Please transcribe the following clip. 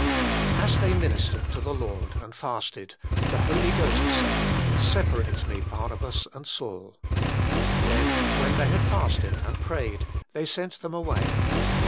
"As they ministered to the Lord, and fasted, the Holy Ghost said, Separate Me Barnabas and Saul. Then when they had fasted and prayed, they sent them away.